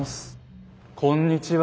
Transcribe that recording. こんにちは。